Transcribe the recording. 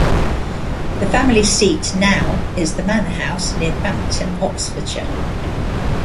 The family seat now is The Manor House, near Bampton, Oxfordshire.